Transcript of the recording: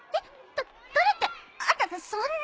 だ誰ってあんたそんな。